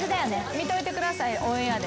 見といてくださいオンエアで。